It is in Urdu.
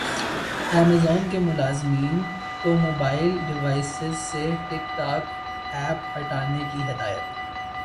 ایمازون کی ملازمین کو موبائل ڈیوائسز سے ٹک ٹاک ایپ ہٹانے کی ہدایت